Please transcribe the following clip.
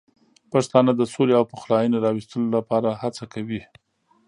پښتانه د سولې او پخلاینې راوستلو لپاره هڅه کوي.